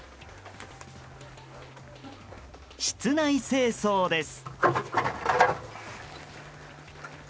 室内清掃です。